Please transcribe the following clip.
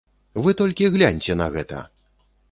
Вы толькі гляньце на гэта!